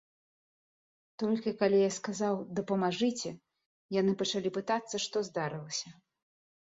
Толькі калі я сказаў, дапамажыце, яны пачалі пытацца, што здарылася.